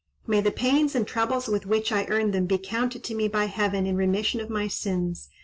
May the pains and troubles with which I earned them be counted to me by heaven in remission of my sins!